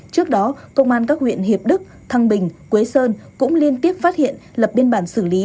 trước đó công an các huyện hiệp đức thăng bình quế sơn cũng liên tiếp phát hiện lập biên bản xử lý